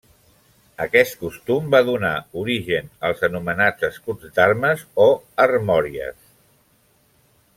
Aquest costum va donar origen als anomenats escuts d'armes o armories.